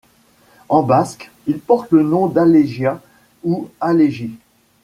En basque, il porte le nom d'Alegia ou Alegi.